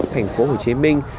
thành phố hồ chí minh